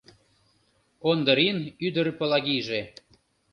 Ондырин ӱдыр Пылагийже